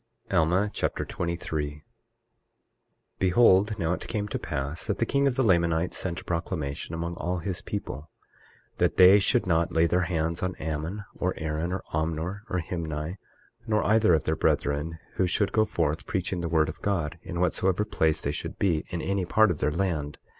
Alma Chapter 23 23:1 Behold, now it came to pass that the king of the Lamanites sent a proclamation among all his people, that they should not lay their hands on Ammon, or Aaron, or Omner, or Himni, nor either of their brethren who should go forth preaching the word of God, in whatsoever place they should be, in any part of their land.